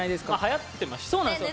はやってましたし。